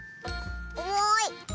おもい！